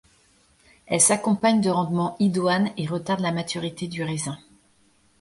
Elle s'accompagne de rendement idoine et retarde la maturité du raisin.